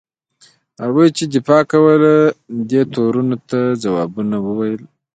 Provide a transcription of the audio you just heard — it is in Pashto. هغوی چې دفاع کوله دې تورونو ته ځوابونه وویل.